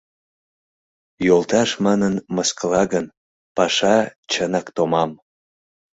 «Йолташ манын мыскыла гын, паша, чынак, томам.